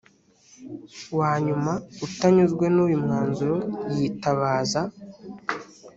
wanyuma utanyuzwe n uyu mwanzuro yitabaza